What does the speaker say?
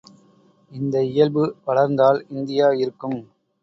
இந்த இயல்பு வளர்ந்தால் இந்தியா இருக்கும்.